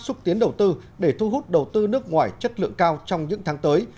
xúc tiến đầu tư để thu hút đầu tư nước ngoài chất lượng cao trong những tháng tới